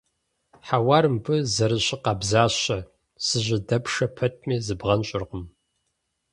Хьэуар мыбы зэрыщыкъабзащэ, зыжьэдэпшэ пэтми, зыбгъэнщӀыркъым.